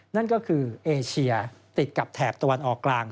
นั่นก็คือเอเชียติดกับแถบตะวันออกกลาง